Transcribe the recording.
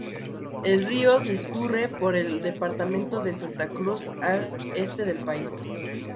El río discurre por el departamento de Santa Cruz al este del país.